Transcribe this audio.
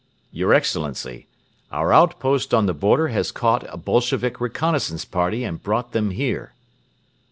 "Your Excellency, our outpost on the border has caught a Bolshevik reconnaissance party and brought them here."